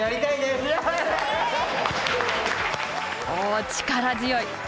お力強い。